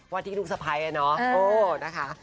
วันนี้ดูสไพย์เนอะ